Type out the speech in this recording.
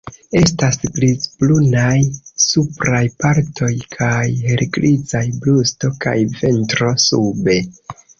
Estas grizbrunaj supraj partoj kaj helgrizaj brusto kaj ventro sube.